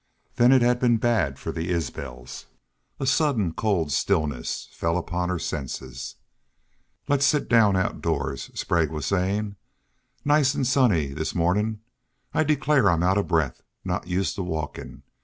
Then it had been bad for the Isbels. A sudden, cold stillness fell upon her senses. "Let's sit down outdoors," Sprague was saying. "Nice an' sunny this mornin'. I declare I'm out of breath. Not used to walkin'.